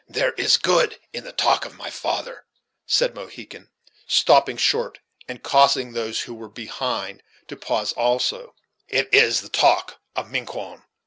"There is good in the talk of my father," said Mohegan, stopping short, and causing those who Were behind him to pause also; "it is the talk of Miquon.